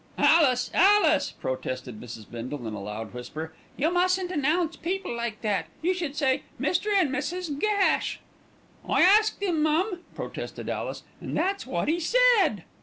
"Alice, Alice!" protested Mrs. Bindle in a loud whisper. "You mustn't announce people like that. You should say Mr. and Mrs. Gash." "I asked 'im, mum," protested Alice, "and that's wot 'e said."